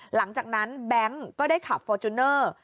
หลังจากนั้นแบงค์ก็ได้ขับฟอร์จูเนอร์